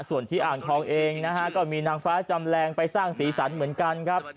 ส่วนที่อ่างทองเองนะฮะก็มีนางฟ้าจำแรงไปสร้างสีสันเหมือนกันครับ